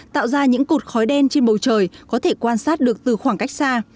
tạo ra những cột khói đen trên bầu trời có thể quan sát được từ khoảng cách xa